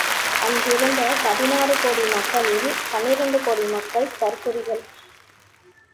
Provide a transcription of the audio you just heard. அன்றிருந்த பதினாறு கோடி மக்களில் பன்னிரண்டு கோடி மக்கள் தற்குறிகள்.